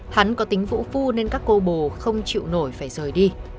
hắn có tính vũ phu nên các cô bồ không chịu nổi phải rời đi